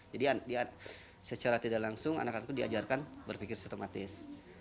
jadi secara tidak langsung anak anakku diajarkan berpikir sistematis